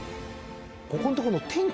ここんとこの天気。